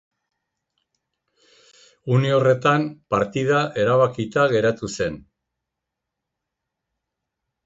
Une horretan partida erabakita geratu zen.